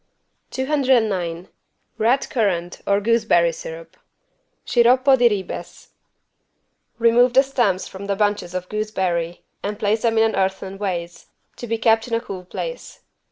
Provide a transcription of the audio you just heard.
209 RED CURRANT OR GOOSEBERRY SYRUP (Sciroppo di ribes) Remove the stems from the bunches of gooseberry and place them in an earthen vase, to be kept in a cool place.